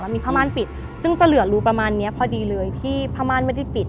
มีผ้าม่านปิดซึ่งจะเหลือรูประมาณเนี้ยพอดีเลยที่ผ้าม่านไม่ได้ปิด